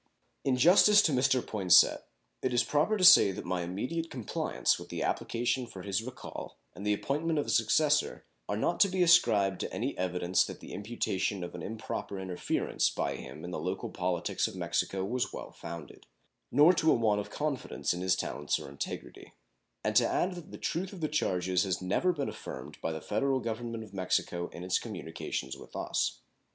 In justice to Mr. Poinsett it is proper to say that my immediate compliance with the application for his recall and the appointment of a successor are not to be ascribed to any evidence that the imputation of an improper interference by him in the local politics of Mexico was well founded, nor to a want of confidence in his talents or integrity, and to add that the truth of the charges has never been affirmed by the federal Government of Mexico in its communications with us.